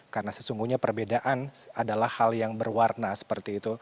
karena sesungguhnya perbedaan adalah hal yang berwarna seperti itu